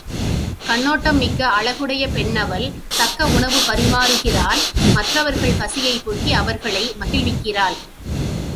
கண்ணோட்டம் மிக்க அழகுடைய பெண் அவள் தக்க உணவு பரிமாறுகிறாள் மற்றவர்கள் பசியைப் போக்கி அவர்களை மகிழ்விக்கிறாள்.